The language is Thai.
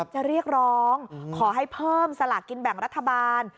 จะเรียกร้องขอให้เพิ่มสลากกินแบ่งรัฐบาล